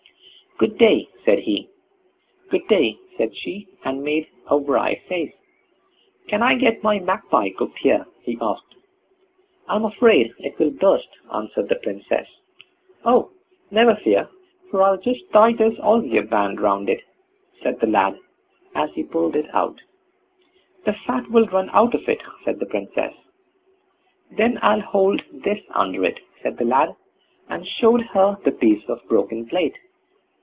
"Good day", said he. "Good day", said she, and made a wry face. "Can I get my magpie cooked here?" he asked. "I'm afraid it will burst", answered the Princess. "Oh! never fear! for I'll just tie this ozier band round it", said the lad, as he pulled it out. "The fat will run out of it", said the Princess. "Then I'll hold this under it", said the lad, and showed her the piece of broken plate.